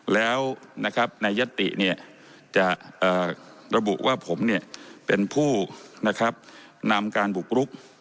แล้วในยัตติจะระบุว่าผมเป็นผู้นำการบุกรุก